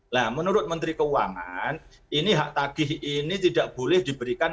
nah menurut menteri keuangan ini hak tagih ini tidak boleh diberikan